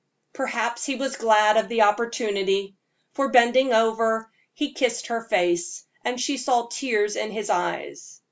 Perhaps he was glad of the opportunity; for, bending over, he kissed her face, and she saw tears in his eyes.